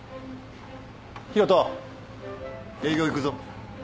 広翔営業行くぞ。